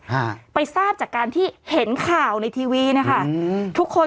ฮะไปทราบจากการที่เห็นข่าวในทีวีนะคะอืมทุกคน